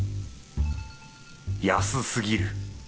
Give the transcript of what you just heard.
安すぎる。